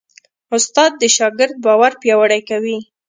استاد د شاګرد باور پیاوړی کوي.